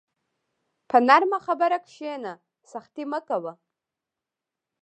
په نرمه خبره کښېنه، سختي مه کوه.